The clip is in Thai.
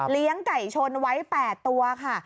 เลี้ยงไก่ชนไว้๘ตัวค่ะ